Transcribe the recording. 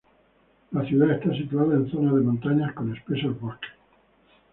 La ciudad está situada en zonas de montañas con espesos bosques.